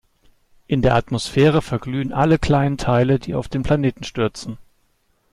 In der Atmosphäre verglühen alle kleinen Teile, die auf den Planeten stürzen.